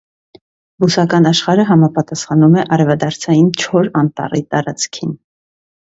Բուսական աշխարհը համապատասխանում է արևադարձային չոր անտառի տարածքին։